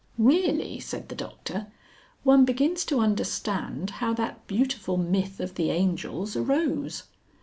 "Really," said the Doctor, "one begins to understand how that beautiful myth of the angels arose.